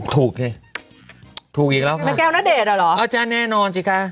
ถูกเนี่ยถูกอีกแล้วค่ะแม่แก้วณเดชน์อ่ะหรอเอาจ้ะแน่นอนจริงค่ะ